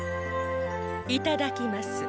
いただきます。